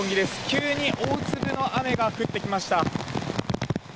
急に大粒の雨が降ってきました。